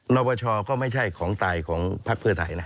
นวชก็ไม่ใช่ของตายของพักเพื่อไทยนะ